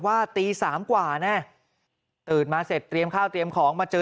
ว่าตี๓กว่าแน่ตื่นมาเสร็จเตรียมข้าวเตรียมของมาเจอ